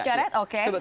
tidak disalit oke